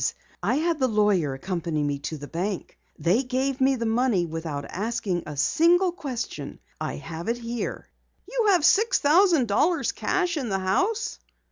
I had the lawyer accompany me to the bank. They gave me the money without asking a single question. I have it here." "You have six thousand dollars cash in the house!"